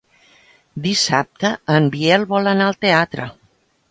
Dissabte en Biel vol anar al teatre.